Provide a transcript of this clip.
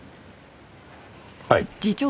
はい。